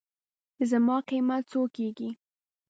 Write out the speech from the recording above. زما قېمت څو کېږي.